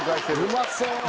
うまそう。